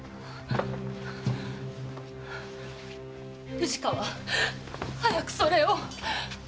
藤川早くそれを！